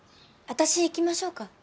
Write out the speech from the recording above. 私行きましょうか？